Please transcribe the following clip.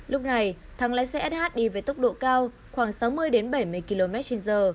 lúc này thắng lái xe sh đi với tốc độ cao khoảng sáu mươi bảy mươi km trên giờ